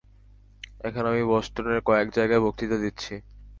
এখন আমি বষ্টনের কয়েক জায়গায় বক্তৃতা দিচ্ছি।